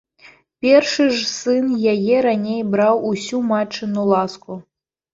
Першы ж сын яе раней браў усю матчыну ласку!